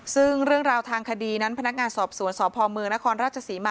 ซึ่งเรื่องราวทางคดีนั้นพนักงานสอบสวนสพเมืองนครราชศรีมา